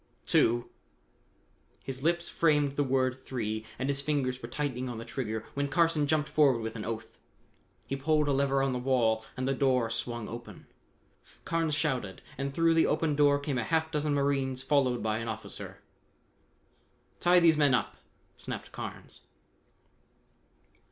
Two!" His lips framed the word "three" and his fingers were tightening on the trigger when Carson jumped forward with an oath. He pulled a lever on the wall and the door swung open. Carnes shouted and through the opened door came a half dozen marines followed by an officer. "Tie these men up!" snapped Carnes.